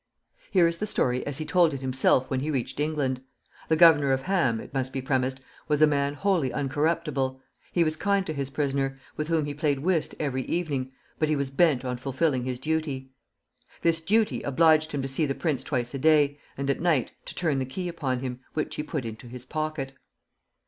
Here is the story as he told it himself when he reached England. The governor of Ham, it must be premised, was a man wholly uncorruptible. He was kind to his prisoner, with whom he played whist every evening, but he was bent on fulfilling his duty. This duty obliged him to See the prince twice a day, and at night to turn the key upon him, which he put into his pocket.